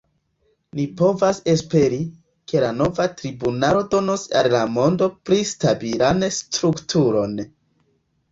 Ni povas esperi, ke la nova tribunalo donos al la mondo pli stabilan strukturon.